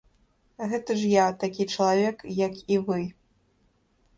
Гэта ж я, такі чалавек, як і вы.